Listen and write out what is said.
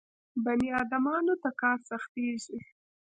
بني ادمانو ته کار سختېږي.